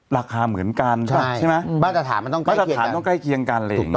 ราคาเหมือนกันใช่ไหมบ้านตรฐานมันต้องใกล้เคียงกัน